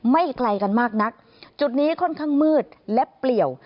ไม่ไกลกันมากนักจุดนี้ค่อนข้างมืดและเปลี่ยว